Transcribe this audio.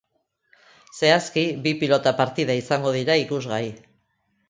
Zehazki, bi pilota partida izango dira ikusgai.